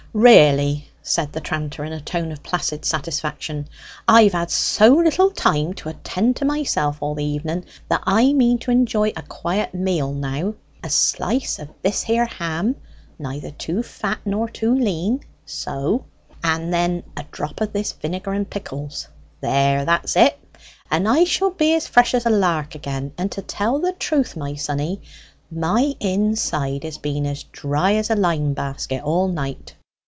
"Really," said the tranter, in a tone of placid satisfaction, "I've had so little time to attend to myself all the evenen, that I mean to enjoy a quiet meal now! A slice of this here ham neither too fat nor too lean so; and then a drop of this vinegar and pickles there, that's it and I shall be as fresh as a lark again! And to tell the truth, my sonny, my inside has been as dry as a lime basket all night."